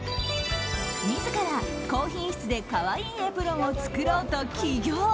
自ら高品質で可愛いエプロンを作ろうと起業。